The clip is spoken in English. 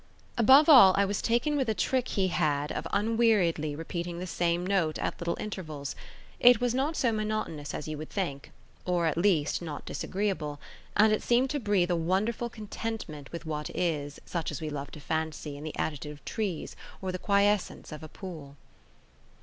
Above all, I was taken with a trick he had of unweariedly repeating the same note at little intervals; it was not so monotonous as you would think, or, at least, not disagreeable; and it seemed to breathe a wonderful contentment with what is, such as we love to fancy in the attitude of trees, or the quiescence of a pool.